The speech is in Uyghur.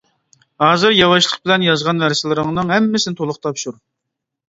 ھازىر ياۋاشلىق بىلەن يازغان نەرسىلىرىڭنىڭ ھەممىسىنى تولۇق تاپشۇر!